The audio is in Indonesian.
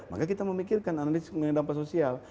maka kita memikirkan analisis mengenai dampak sosial